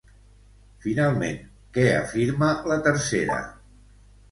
Finalment, què afirma la tercera?